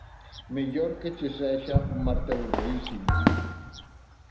Mellor que che sexa un martelo boísimo.